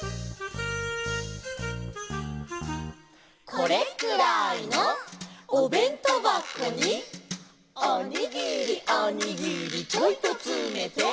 「これくらいのおべんとばこに」「おにぎりおにぎりちょいとつめて」